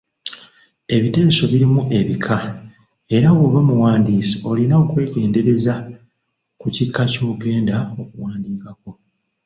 Ebiteeso birimu ebika, era bw’oba muwandiisi olina okwegendereza ku kika ky’ogenda okuwandiikako,